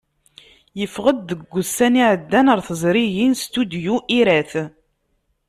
Yeffeɣ-d deg ussan iɛeddan ɣer tezrigin Studyu Irath.